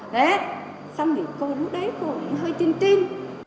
đấy xong thì cô rút đấy cô hơi tin tin